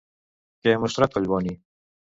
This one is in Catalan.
Què ha mostrat Collboni?